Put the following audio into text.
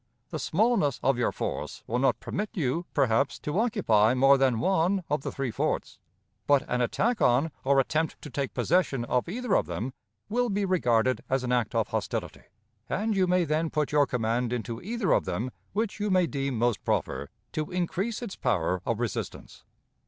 The smallness of your force will not permit you, perhaps, to occupy more than one of the three forts; but an attack on or attempt to take possession of either of them will be regarded as an act of hostility, and you may then put your command into either of them which you may deem most proper, to increase its power of resistance.